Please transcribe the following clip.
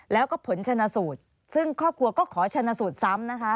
แล้วก็ผลชนสูตรซึ่งครอบครัวก็ขอชนะสูตรซ้ำนะคะ